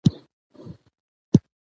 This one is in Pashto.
ایا ډاکټر یوازې وسیله ده؟